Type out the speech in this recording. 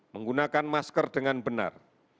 menggunakan masker dengan benar